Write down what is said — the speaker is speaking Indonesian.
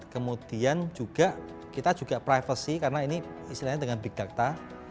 kemudian juga kita juga privacy karena ini istilahnya dengan big data